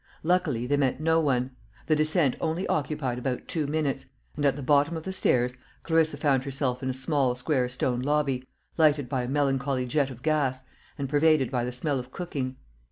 Luckily, they met no one; the descent only occupied about two minutes; and at the bottom of the stairs, Clarissa found herself in a small square stone lobby, lighted by a melancholy jet of gas, and pervaded by the smell of cooking.